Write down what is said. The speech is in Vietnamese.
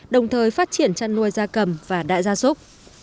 đồng thời phát triển chăn nuôi da cầm và đại gia súc